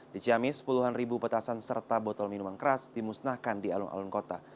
di ciamis puluhan ribu petasan serta botol minuman keras dimusnahkan di alun alun kota